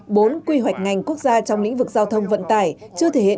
bốn quy hoạch ngành quốc gia trong lĩnh vực giao thông vận tải chưa thể hiện